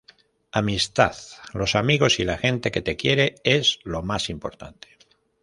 Amistad: Los amigos y la gente que te quiere es lo más importante.